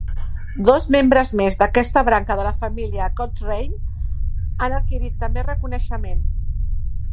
Dos membres més d'aquesta branca de la família Cochrane han adquirit també reconeixement.